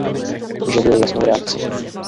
Vyžaduje jasnou reakci.